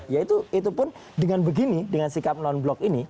ya itu pun dengan begini dengan sikap non blok ini